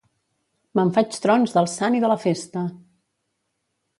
Me'n faig trons del sant i de la festa!